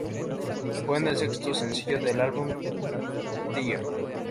Fue el sexto sencillo del álbum "Thriller".